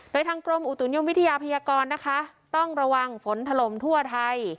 โดยทางกรมอุตุนิยมวิทยาพยากรนะคะต้องระวังฝนถล่มทั่วไทย